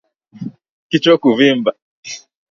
Kichwa kuvimba